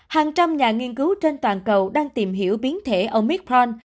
hàng trăm nhà nghiên cứu trên toàn cầu đang tìm hiểu biến thể omithron